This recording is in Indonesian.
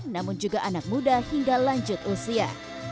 namun juga anak muda hingga lanjut usia